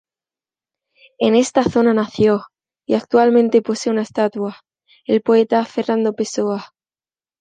En esta zona nació, y actualmente posee una estatua, el poeta Fernando Pessoa.